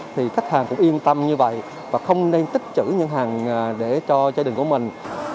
tâm như vậy và không nên tích trữ những hàng để cho gia đình của mình